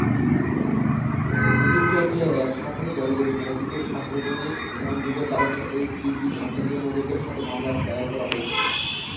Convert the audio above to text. পিকেকে- এর সাথে দলগুলোর কথিত সাংগঠনিক সংযোগের কারণে এইচডিপি বন্ধের অনুরোধের সাথে মামলাটি দায়ের করা হয়েছিল।